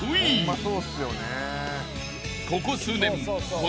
［ここ数年］